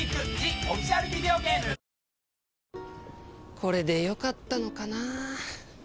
これで良かったのかな？